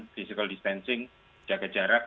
physical distancing jaga jarak